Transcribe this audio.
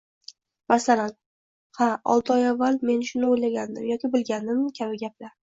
Masalan, “ha, olti oy avval men shuni oʻylagandim yoki bilgandim” kabi gaplar.